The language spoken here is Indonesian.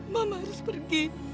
mama harus pergi